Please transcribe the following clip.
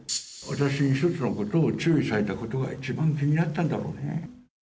私に一つのことを注意されたことが一番気になったんだろうね。